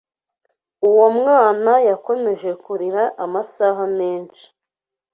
Uwo mwana yakomeje kurira amasaha menshi.